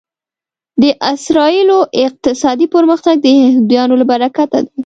د اسرایلو اقتصادي پرمختګ د یهودیانو له برکته دی